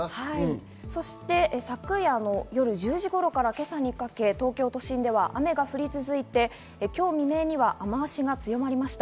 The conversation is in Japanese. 昨夜の夜１０時頃から今朝にかけて東京都心では雨が降り続いて、今日未明には雨脚が強まりました。